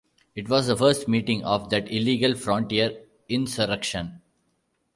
It was the first meeting of that illegal frontier insurrection.